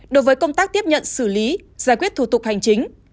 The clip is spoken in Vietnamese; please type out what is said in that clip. đối với công tác tiếp nhận xử lý giải quyết thủ tục hành chính